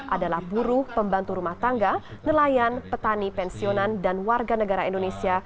adalah buruh pembantu rumah tangga nelayan petani pensiunan dan warga negara indonesia